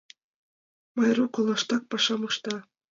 Майрук олаштак пашам ышта.